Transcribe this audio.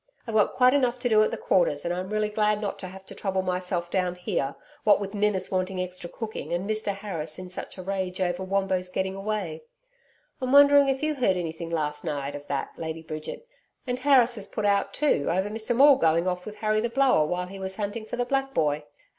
I've got quite enough to do at the Quarters, and I'm really glad not to have to trouble myself down here what with Mr Ninnis wanting extra cooking, and Mr Harris in such a rage over Wombo's getting away I'm wondering if you heard anything last night, of that, Lady Bridget? And Harris is put out, too, over Mr Maule going off with Harry the Blower, while he was hunting for the black boy.